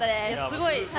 すごい。